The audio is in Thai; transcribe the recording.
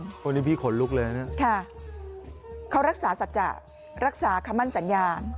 วันนี้พี่ขนลุกเลยนะเขารักษาสัจจะรักษาคำมั่นสัญญา